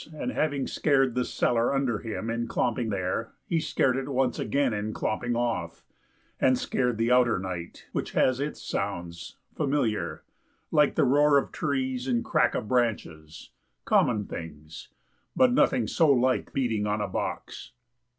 And having scared the cellar under him In clomping there, he scared it once again In clomping off; and scared the outer night, Which has its sounds, familiar, like the roar Of trees and crack of branches, common things, But nothing so like beating on a box.